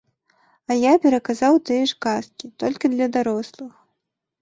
А я пераказаў тыя ж казкі, толькі для дарослых.